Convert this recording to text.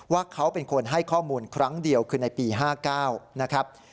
ว่าเขาเป็นคนให้ข้อมูลครั้งเดียวคือในปี๕๙นะครับ